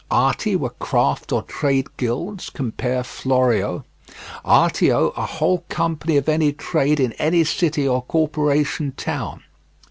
"Arti" were craft or trade guilds, cf. Florio: "Arte ... a whole company of any trade in any city or corporation town."